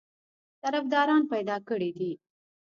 طرفداران پیدا کړي دي.